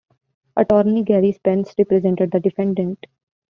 Attorney Gerry Spence represented the defendants.